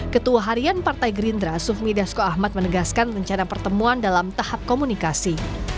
ketua harian partai gerindra sufmi dasko ahmad menegaskan rencana pertemuan dalam tahap komunikasi